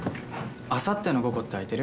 あさっての午後って空いてる？